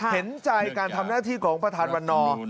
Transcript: เห็นใจการทำหน้าที่ของประธานวันนอร์